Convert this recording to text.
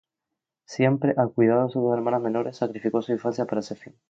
Siempre al cuidado de sus dos hermanas menores, sacrificó su infancia para ese fin.